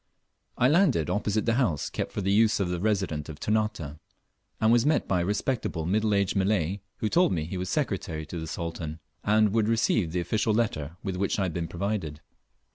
I LANDED opposite the house kept for the use of the Resident of Ternate, and was met by a respectable middle aged Malay, who told me he was Secretary to the Sultan, and would receive the official letter with which I had been provided.